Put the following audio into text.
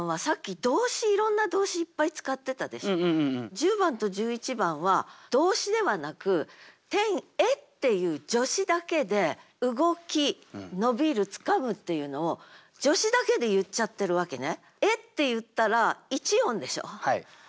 １０番と１１番は動詞ではなく「天へ」っていう助詞だけで動き「伸びる」「掴む」っていうのを助詞だけで言っちゃってるわけね。